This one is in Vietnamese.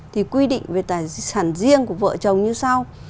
thì quy định về tài sản riêng của vợ chồng như sau